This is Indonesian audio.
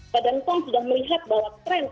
badan fon sudah melihat bahwa tren penyalahgunaan